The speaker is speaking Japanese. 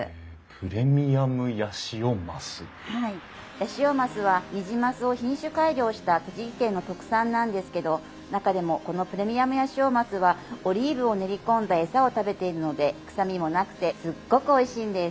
ヤシオマスはニジマスを品種改良した栃木県の特産なんですけど中でもこのプレミアムヤシオマスはオリーブを練り込んだエサを食べているので臭みもなくてすっごくおいしいんです。